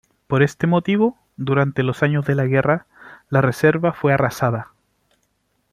Por este motivo, durante los años de la guerra la reserva fue arrasada.